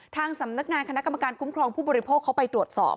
ทางสำนักงานคณะกรรมการคุ้มครองผู้บริโภคเขาไปตรวจสอบ